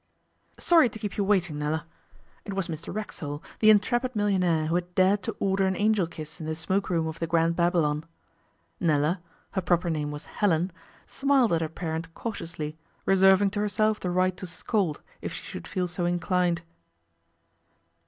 'Sorry to keep you waiting, Nella.' It was Mr Racksole, the intrepid millionaire who had dared to order an Angel Kiss in the smoke room of the Grand Babylon. Nella her proper name was Helen smiled at her parent cautiously, reserving to herself the right to scold if she should feel so inclined.